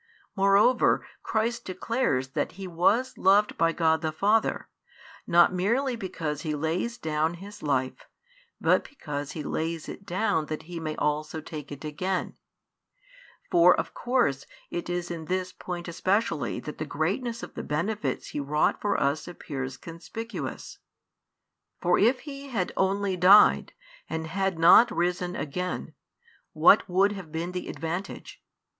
Moreover, Christ declares that He was loved by God the Father, not merely because He lays down His life, but because He lays it down that He may also take it again: for of course it is in this point especially that the greatness of the benefits He wrought for us appears conspicuous. For if He had only died, and had not risen again, what would have been the advantage?